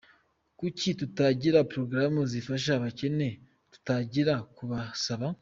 Kuki tutagira porogaramu zifasha abakene tutagiye kubasaba? ».